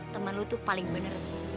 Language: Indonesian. temen lo itu paling bener